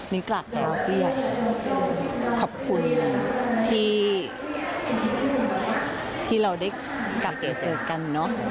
นี่กราบเท้าพี่ใหญ่ขอบคุณที่เราได้กลับมาเจอกันเนอะ